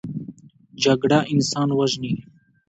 جګړه انسان وژني